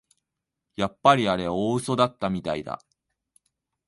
やっぱりあれ大うそだったみたいだ